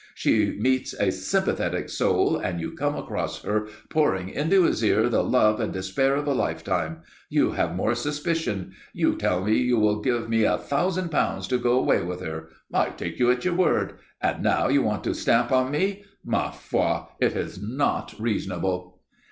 She meets a sympathetic soul, and you come across her pouring into his ear the love and despair of a lifetime. You have more suspicion. You tell me you will give me a thousand pounds to go away with her. I take you at your word. And now you want to stamp on me. Ma foi! it is not reasonable."